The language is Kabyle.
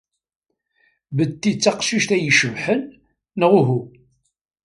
Betty d taqcict ay icebḥen, neɣ uhu?